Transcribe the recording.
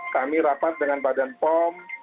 kami rapat dengan badan pom